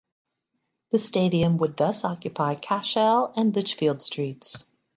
The stadium would thus occupy Cashel and Lichfield streets.